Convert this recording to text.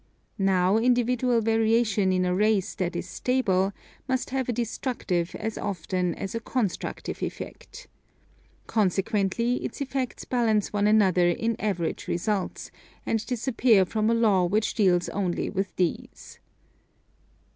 Now individual variation in a race that is stable, must have a destructive as often as a constructive effect. Consequently its effects balance one another in average results, and disappear from a law which deals only with these.